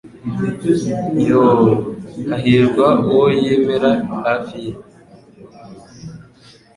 Yoo hahirwa uwo yemera hafi ye